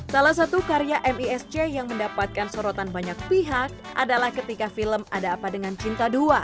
salah satu karya misc yang mendapatkan sorotan banyak pihak adalah ketika film ada apa dengan cinta dua